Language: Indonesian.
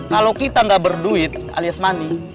kalau kita gak berduit alias money